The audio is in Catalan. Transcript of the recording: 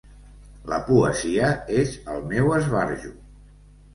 La poesia és el meu esbarjo.